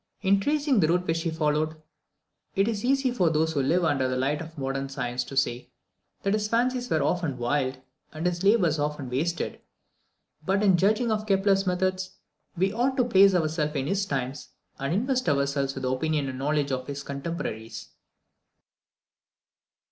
In tracing the route which he followed, it is easy for those who live under the light of modern science to say that his fancies were often wild, and his labour often wasted; but, in judging of Kepler's methods, we ought to place ourselves in his times, and invest ourselves with the opinions and the knowledge of his contemporaries.